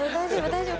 大丈夫？